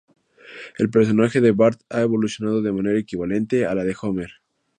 El personaje de Bart ha evolucionado de manera equivalente a la de Homer.